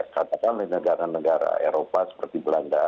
katakanlah negara negara eropa seperti belanda